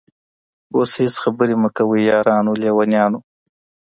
اوس هيڅ خبري مه كوی يارانو ليـونيانـو